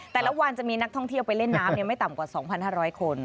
แต่ละวันจะมีนักท่องเที่ยวไปเล่นน้ำไม่ต่ำกว่า๒๕๐๐คน